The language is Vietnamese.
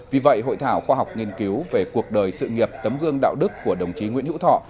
vì vậy hội thảo khoa học nghiên cứu về cuộc đời sự nghiệp tấm gương đạo đức của đồng chí nguyễn hữu thọ